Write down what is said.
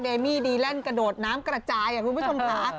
เดมี่ดีแร่นกระโดดน้ำกระจายอย่างคุณผู้ชมค่ะ